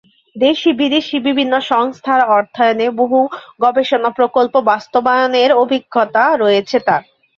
দেশী-বিদেশী বিভিন্ন সংস্থার অর্থায়নে বহু গবেষণা প্রকল্প বাস্তবায়নের অভিজ্ঞতা রয়েছে তার।